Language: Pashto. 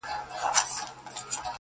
د قدرت پر دښمنانو کړي مور بوره!